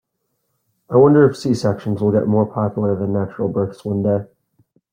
I wonder if C-sections will get more popular than natural births one day.